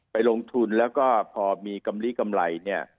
ไปลงทุนแล้วก็พอมีกำลีกำไรเนี่ย